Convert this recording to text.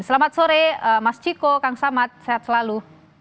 selamat sore mas ciko kang samad sehat selalu